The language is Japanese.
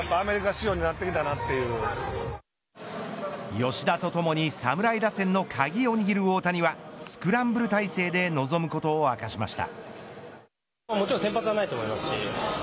吉田とともに侍打線の鍵を握る大谷はスクランブル体制で臨むことを明かしました。